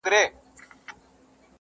پيشو نه وه يو تور پړانگ وو قهرېدلى.!